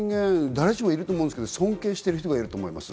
誰しもいると思うんですが、尊敬している人間がいると思います。